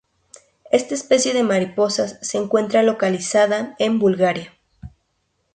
Esta especie de mariposa se encuentra localizada en Bulgaria.